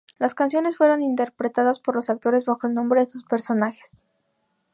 Las canciones fueron interpretadas por los actores bajo el nombre de sus personajes.